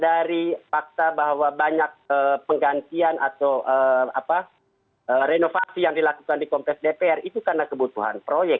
dari fakta bahwa banyak penggantian atau renovasi yang dilakukan di kompleks dpr itu karena kebutuhan proyek